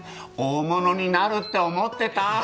大物になるって思ってた！